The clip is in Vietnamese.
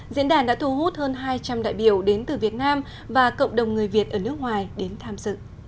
diễn đàn đã thu hút hơn hai trăm linh đại biểu đến từ việt nam và cộng đồng người việt ở nước ngoài đến tham dự